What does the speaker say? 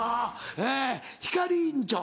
えひかりんちょ。